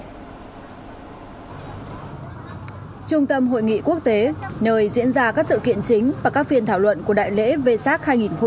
trung tâm hội nghị quốc tế nơi diễn ra các sự kiện chính và các phiên thảo luận của đại lễ v sac hai nghìn một mươi chín